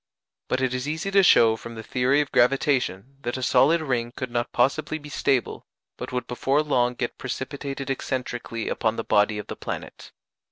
But it is easy to show from the theory of gravitation, that a solid ring could not possibly be stable, but would before long get precipitated excentrically upon the body of the planet.